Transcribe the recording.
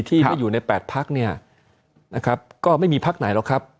ที่ไม่อยู่ใน๘พักเนี่ยนะครับก็ไม่มีพักไหนหรอกครับ